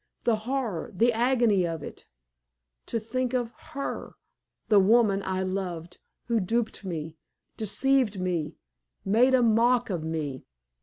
The horror the agony of it! To think of her the woman I loved, who duped me, deceived me, made a mock of me!